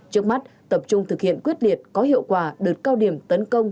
trước mắt tập trung thực hiện quyết liệt có hiệu quả đợt cao điểm tấn công